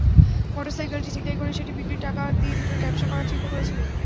মোটরসাইকেলটি ছিনতাই করে সেটি বিক্রির টাকা দিয়ে দুজনে ব্যবসা করার চিন্তা করছিলেন।